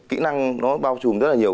kỹ năng nó bao trùm rất là nhiều